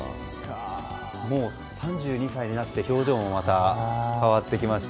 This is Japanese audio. もう３２歳になって表情も変わってきまして。